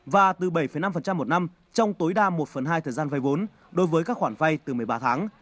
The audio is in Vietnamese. và từ bảy năm một năm trong tối đa một phần hai thời gian vay vốn đối với các khoản vay từ một mươi ba tháng